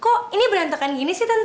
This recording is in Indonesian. kok ini berantakan gini sih